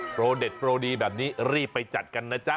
โปรเด็ดโปรดีแบบนี้รีบไปจัดกันนะจ๊ะ